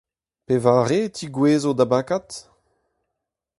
Pevare e tegouezho da bakad ?